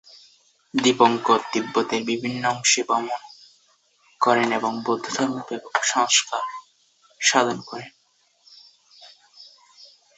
দীপঙ্কর তিব্বতের বিভিন্ন অংশে ভ্রমণ করেন এবং বৌদ্ধ ধর্মের ব্যাপক সংস্কার সাধন করেন।